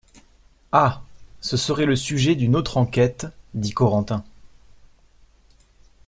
Ah! ce serait le sujet d’une autre enquête, dit Corentin.